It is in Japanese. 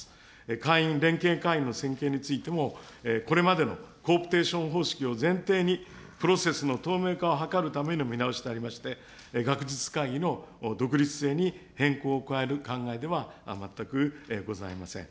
会員、連携会員の選定においてもこれまでのコープテーション方式を前提に、プロセスの透明化を図るための見直しでありまして、学術会議の独立性に変更を加える考えでは、全くございません。